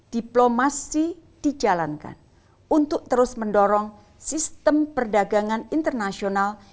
diplomasi dijalankan untuk terus mendorong sistem perdagangan internasional